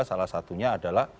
salah satunya adalah